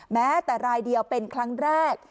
แม้แต่รายเดียวเป็นครั้งแรก